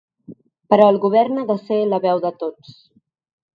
Però el govern ha de ser la veu de tots.